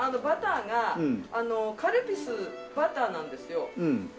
バターがカルピスバターなんですよ。